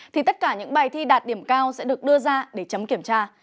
thì tất cả những bài thi đạt điểm cao sẽ được đưa ra để chấm kiểm tra